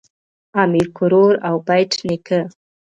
امیر کروړ او بېټ نیکه